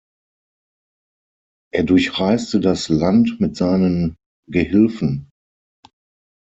Er durchreiste das Land mit seinen Gehilfen.